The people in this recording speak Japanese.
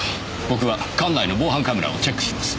僕は館内の防犯カメラをチェックします。